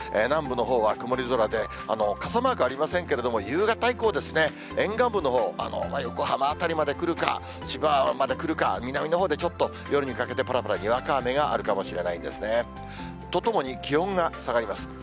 南部のほうは曇り空で、傘マーク、ありませんけれども、夕方以降、沿岸部のほう、横浜辺りまで来るか、千葉まで来るか、南のほうでちょっと夜にかけて、ぱらぱらにわか雨があるかもしれないんですね。とともに、気温が下がります。